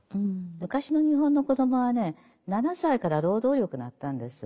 昔の日本の子どもはね７歳から労働力になったんです。